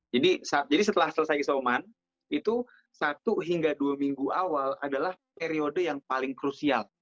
jadi setelah selesai isoman itu satu hingga dua minggu awal adalah periode yang paling krusial